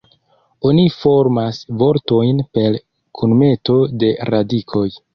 Oni formas vortojn per kunmeto de radikoj.